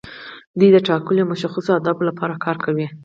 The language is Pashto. دوی د ټاکلو او مشخصو اهدافو لپاره کار کوي.